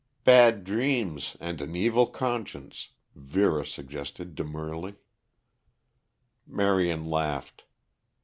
"Bad dreams and an evil conscience," Vera suggested demurely. Marion laughed.